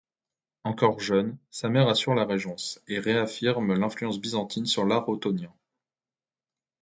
Encore jeune, sa mère assure la Régence, et réaffirme l'influence byzantine sur l'art ottonien.